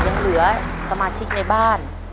ยังเหลือสมาชิกในบ้าน